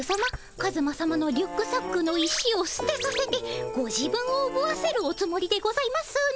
カズマさまのリュックサックの石をすてさせてご自分をおぶわせるおつもりでございますね。